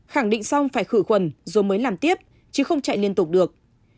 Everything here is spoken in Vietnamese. khẳng định xong phải khử khuẩn rồi mới làm tiếp chứ không chạy liên tục được